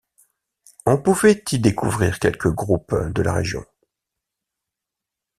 On pouvait y découvrir quelques groupes de la région.